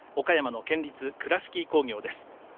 岡山の県立倉敷工業です。